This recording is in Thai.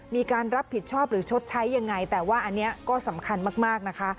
มีการรับผิดชอบหรือชดใช้ยังไงแต่ว่าอันนี้ก็สำคัญมากนะคะ